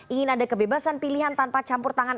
ingin ada kebebasan pilihan tanpa campur tangan